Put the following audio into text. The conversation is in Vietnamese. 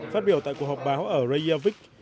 phát biểu tại cuộc họp báo ở reykjavik